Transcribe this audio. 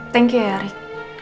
thank you ya rik